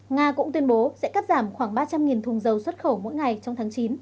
nga cũng tuyên bố sẽ cắt giảm khoảng ba trăm linh thùng dầu xuất khẩu mỗi ngày trong tháng chín